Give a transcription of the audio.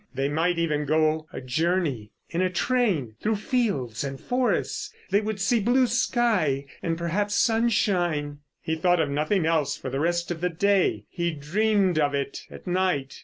They might even go a journey; in a train through fields and forests. They would see blue sky and perhaps sunshine. He thought of nothing else for the rest of the day; he dreamed of it at night.